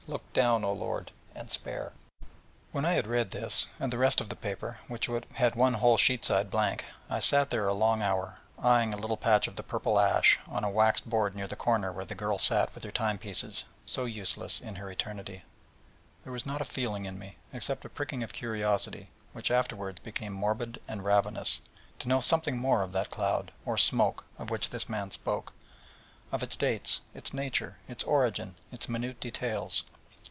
Look down, O Lord, and spare!' When I had read this, and the rest of the paper, which had one whole sheet side blank, I sat a long hour there, eyeing a little patch of the purple ash on a waxed board near the corner where the girl sat with her time pieces, so useless in her Eternity; and there was not a feeling in me, except a pricking of curiosity, which afterwards became morbid and ravenous, to know something more of that cloud, or smoke, of which this man spoke, of its dates, its origin, its nature, its minute details.